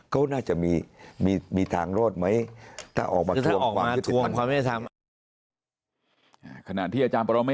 เขาน่าจะมีทางโน้ตไหม